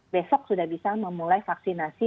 besok sudah bisa memulai vaksinasi